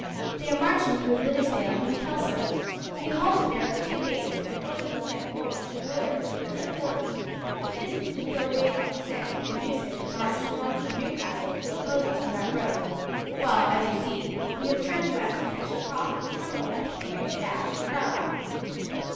"They are marching through Liddesdale from Kelso. We halted there for two days, and orders were sent forward to Wooler to prepare quarters. This was to throw Wade off the scent and induce him to march north from Newcastle to oppose us on that road, while, as you see, we have turned west and shall cross into Cumberland and make a dash at Carlisle."